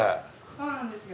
そうなんですよ。